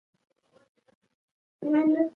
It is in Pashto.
منډېلا د خپل قدرت په اوج کې د تواضع او عاجزۍ نمونه و.